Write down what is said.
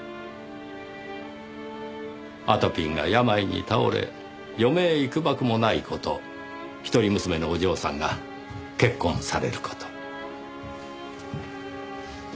あとぴんが病に倒れ余命いくばくもない事一人娘のお嬢さんが結婚される事。